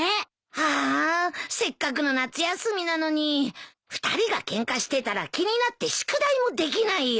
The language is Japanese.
ハァせっかくの夏休みなのに２人がケンカしてたら気になって宿題もできないよ。